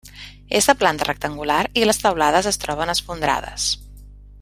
És de planta rectangular i les teulades es troben esfondrades.